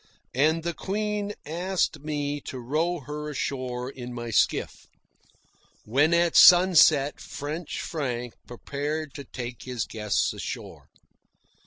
And the Queen asked me to row her ashore in my skiff, when at sunset French Frank prepared to take his guests ashore.